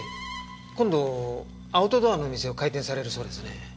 今度アウトドアのお店を開店されるそうですね。